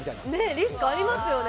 リスクありますよね。